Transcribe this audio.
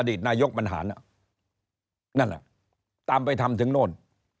อดีตนายกบัญหานะนั่นล่ะตามไปทำถึงโน่น